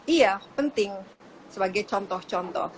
iya penting sebagai contoh contoh